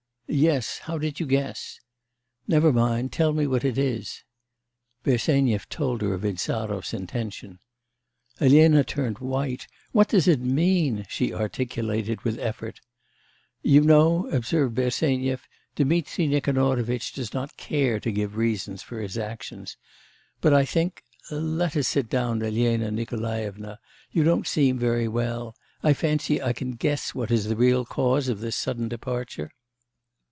'Yes, how did you guess?' 'Never mind; tell me what it is.' Bersenyev told her of Insarov's intention. Elena turned white. 'What does it mean?' she articulated with effort. 'You know,' observed Bersenyev, 'Dmitri Nikanorovitch does not care to give reasons for his actions. But I think... let us sit down, Elena Nikolaevna, you don't seem very well.... I fancy I can guess what is the real cause of this sudden departure.